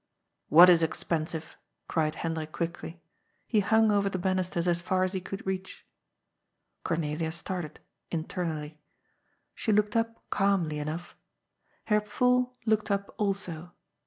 . "What is expensive?" cried Hendrik quickly. He hung oyer the banisters as far as he could reach. Cornelia started — internally. She looked up calmly enough. Herr Pfuhl looked up also.